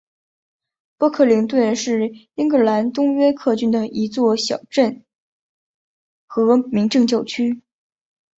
波克灵顿是英格兰东约克郡的一座小镇和民政教区。